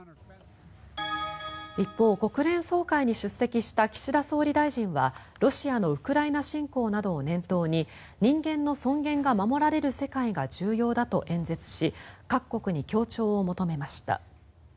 一方、国連総会に出席した岸田総理大臣はロシアのウクライナ侵攻などを念頭に人間の尊厳が守られる世界が重要だと演説し各国に協調を求めました。